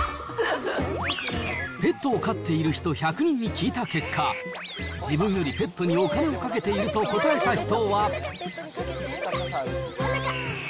ペットを飼っている人１００人に聞いた結果、自分よりペットにお金をかけていると答えた人は。